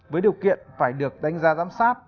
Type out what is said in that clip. với điều kiện phải được đánh giá giám sát